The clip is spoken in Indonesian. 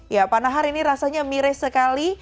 ya pak nahar ini rasanya miris sekali